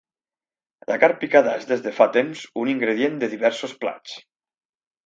La carn picada és des de fa temps un ingredient de diversos plats.